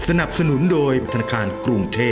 สนับสนุนโดยธนาคารกรุงเทพ